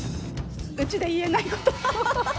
うちで言えないこと。